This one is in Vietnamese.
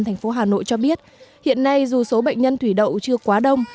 thành phố hà nội cho biết hiện nay dù số bệnh nhân thủy đậu chưa quá đông